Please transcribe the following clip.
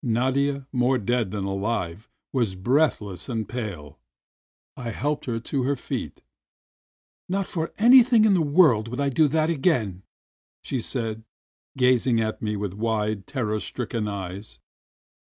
Nadia, more dead than alive, was breathless and pale. I helped her to her feet. "Not for anything in the world would I do that again !" she said, gazing at me with wide, terror stricken eyes.